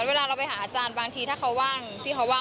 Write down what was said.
เวลาเราไปหาอาจารย์บางทีถ้าเขาว่างพี่เขาว่าง